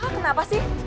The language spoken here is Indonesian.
kak kenapa sih